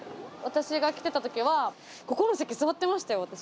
私が来てた時はここの席座ってましたよ